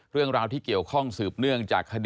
เรื่องราวที่เกี่ยวข้องสืบเนื่องจากคดี